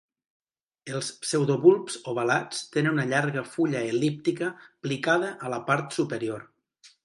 Els pseudobulbs ovalats tenen una llarga fulla el·líptica plicada a la part superior.